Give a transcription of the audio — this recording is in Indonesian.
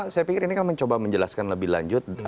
saya pikir ini kan mencoba menjelaskan lebih lanjut